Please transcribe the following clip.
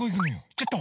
ちょっと？